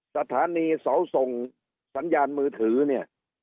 สถานีเสาส่งสัญญาณมือถือเนี่ย